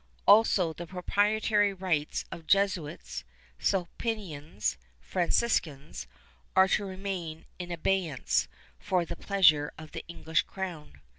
Also, the proprietary rights of Jesuits, Sulpicians, Franciscans, are to remain in abeyance for the pleasure of the English crown.